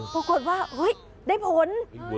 ปรากฏว่าได้ผล